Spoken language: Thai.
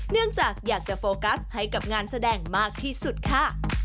เนื่องจากอยากจะโฟกัสให้กับงานแสดงมากที่สุดค่ะ